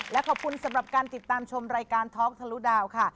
และขอบคุณสำหรับการติดตามชมรายการท็อกทะลุดาวค่ะ